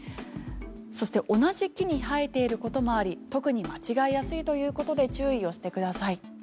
そして同じ木に生えていることもあり特に間違いやすいということで注意をしてください。